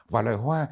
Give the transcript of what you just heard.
và loài hoa